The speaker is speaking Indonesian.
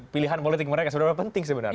pilihan politik mereka seberapa penting sebenarnya